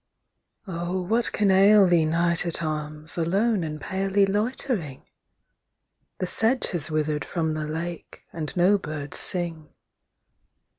O WHAT can ail thee, knight at arms, Alone and palely loitering? The sedge has wither'd from the lake, And no birds sing.